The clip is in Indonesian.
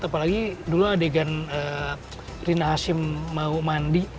apalagi dulu adegan rina hashim mau mandi